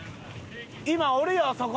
今おるよそこに。